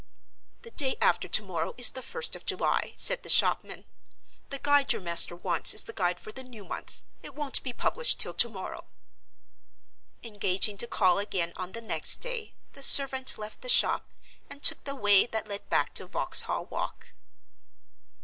"The day after to morrow is the first of July," said the shopman. "The Guide your master wants is the Guide for the new month. It won't be published till to morrow." Engaging to call again on the next day, the servant left the shop, and took the way that led back to Vauxhall Walk.